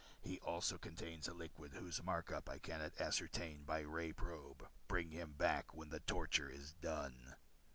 He also contains a liquid whose makeup I cannot ascertain by ray probe. Bring him back when the torture is done."